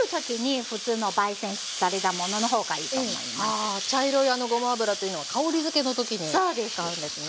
ああ茶色いあのごま油というのは香りづけの時に使うんですね。